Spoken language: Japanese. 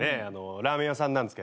ラーメン屋さんなんですけどね。